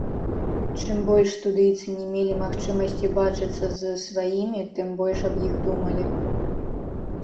Чым больш студыйцы не мелі магчымасці бачыцца з сваімі, тым больш аб іх думалі.